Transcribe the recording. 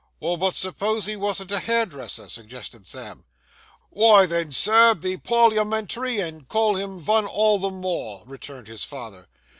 'Well, but suppose he wasn't a hairdresser,' suggested Sam. 'Wy then, sir, be parliamentary and call him vun all the more,' returned his father.